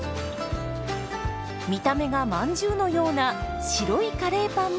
見た目がまんじゅうのような白いカレーパンも登場！